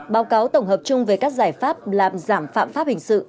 báo cáo tổng hợp chung về các giải pháp làm giảm phạm pháp hình sự